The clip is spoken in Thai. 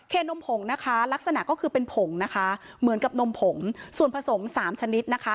นมผงนะคะลักษณะก็คือเป็นผงนะคะเหมือนกับนมผงส่วนผสมสามชนิดนะคะ